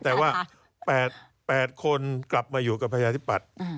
แต่ว่า๘คนกลับมาอยู่กับประชาธิปัตย์